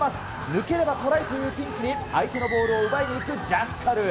抜ければトライというピンチに、相手のボールを奪いに行くジャッカル。